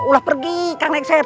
udah pergi kak nekser